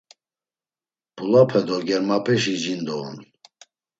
Mp̌ulape do germapeşi jindo on.